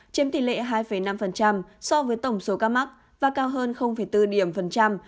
chiếm tỷ lệ hai năm so với tổng số ca mắc và cao hơn bốn điểm phần trăm